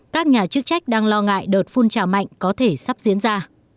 các nhà chức trách đang lo ngại đợt phun trào mạnh có thể sắp diễn ra